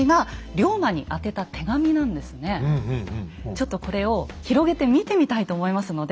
ちょっとこれを広げて見てみたいと思いますので。